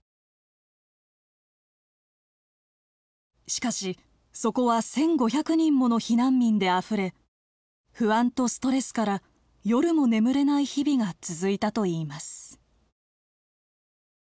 しかしそこは１，５００人もの避難民であふれ不安とストレスから夜も眠れない日々が続いたといいます。